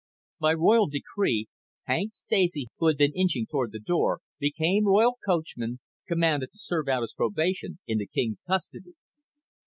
By royal decree Hank Stacy, who had been inching toward the door, became royal coachman, commanded to serve out his probation in the king's custody.